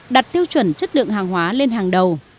đặt tiêu chuẩn chất lượng hàng hóa lên hàng đầu